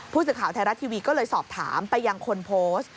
ผู้สื่อข่าวไทยรัฐทีวีก็เลยสอบถามไปยังคนโพสต์